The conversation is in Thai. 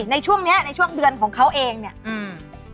ในช่วงเนี้ยในช่วงเดือนของเขาเองเนี้ยอืม